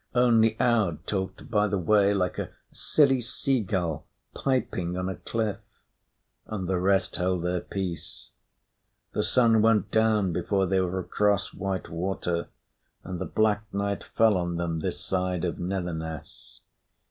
Only Aud talked by the way, like a silly sea gull piping on a cliff, and the rest held their peace. The sun went down before they were across Whitewater; and the black night fell on them this side of Netherness.